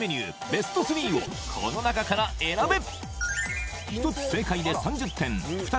ベスト３をこの中から選べ！